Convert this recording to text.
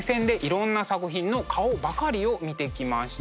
その目線でいろんな作品の顔ばかりを見てきました。